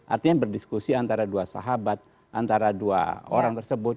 artinya berdiskusi antara dua sahabat antara dua orang tersebut